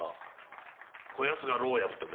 こ奴が牢を破ってくれた。